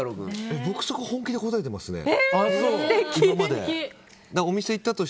僕、そこ本気で答えてますね。